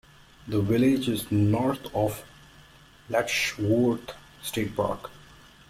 The village is north of Letchworth State Park.